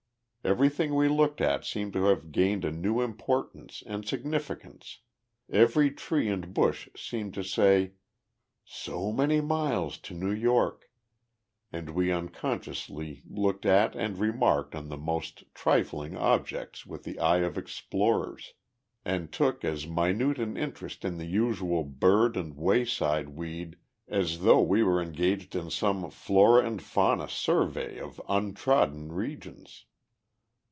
Everything we looked at seemed to have gained a new importance and significance; every tree and bush seemed to say, "So many miles to New York," and we unconsciously looked at and remarked on the most trifling objects with the eye of explorers, and took as minute an interest in the usual bird and wayside weed as though we were engaged in some "flora and fauna" survey of untrodden regions.